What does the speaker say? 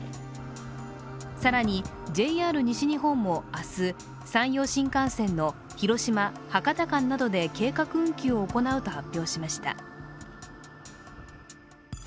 更に、ＪＲ西日本も明日、山陽新幹線の広島−博多間などで計画運休を行うと発表しました。